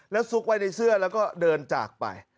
แล้วซุกไว้ในเสื้อแล้วก็เดินจากไป